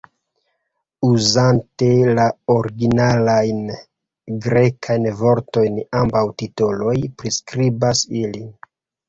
Uzante la originajn grekajn vortojn, ambaŭ titoloj priskribas ilin.